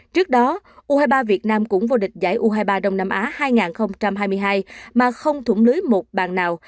trước đó u hai mươi ba việt nam cũng vô địch giải u hai mươi ba đông nam á hai nghìn hai mươi hai mà không thủng lưới một bàn nào